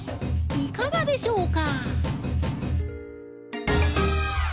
いかがでしょうか？